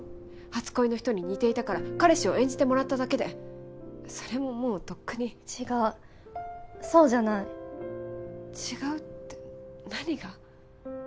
初恋の人に似ていたから彼氏を演じてもらっただけでそれももうとっくに違うそうじゃない違うって何が？